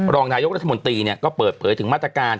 รองนายกรัฐมนตรีก็เปิดเผยถึงมาตรการ